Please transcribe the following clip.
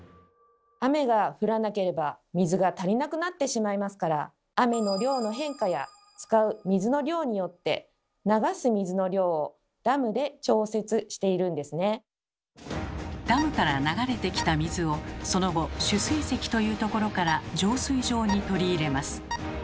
雨が降らなければ水が足りなくなってしまいますからダムから流れてきた水をその後「取水せき」というところから「浄水場」に取り入れます。